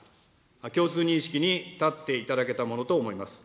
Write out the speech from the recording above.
共通認識に立っていただけたものと思います。